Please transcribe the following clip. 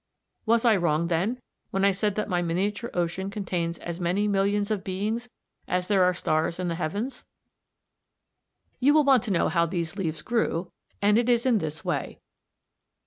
Was I wrong, then, when I said that my miniature ocean contains as many millions of beings as there are stars in the heavens? You will want to know how these leaves grew, and it is in this way.